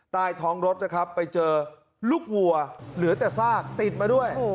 ใต้ท้องรถนะครับไปเจอลูกวัวเหลือแต่ซากติดมาด้วย